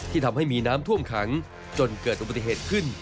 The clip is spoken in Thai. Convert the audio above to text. ที่ทำให้มีน้ำท่วมขังจนเกิดปฏิเหตุขึ้น